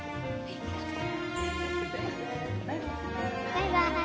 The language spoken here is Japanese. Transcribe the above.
バイバーイ。